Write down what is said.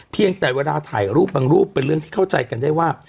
เพียงแต่เวลาถ่ายรูปบางรูปเป็นเรื่องที่เข้าใจกันได้ว่า